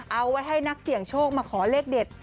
เอาไว้ให้นักเสี่ยงโชคมาขอเลขเด็ด